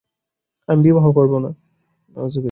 আমি বিবাহ করব না।